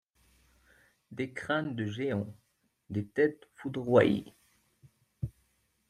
Des crânes de géants, des têtes foudroyées ;